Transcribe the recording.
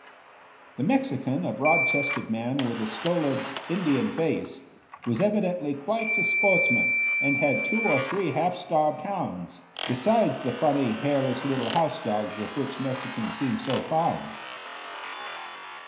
The Mexican, a broad chested man with a stolid Indian face, was evidently quite a sportsman, and had two or three half starved hounds, besides the funny, hairless little house dogs, of which Mexicans seem so fond.